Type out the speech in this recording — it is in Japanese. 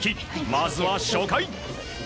まずは初回。